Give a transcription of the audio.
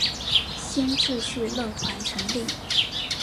新秩序乐团成立。